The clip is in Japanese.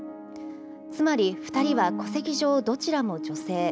つまり２人は戸籍上どちらも女性。